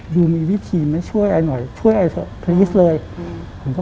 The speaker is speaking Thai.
อยู่มีวิธีมั้ยช่วยผมสิช่วยผมคุณพอรับความข้าว